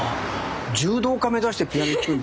柔道家目指してピアノ弾くんだ！